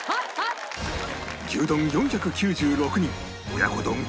牛丼４９６人親子丼５０４人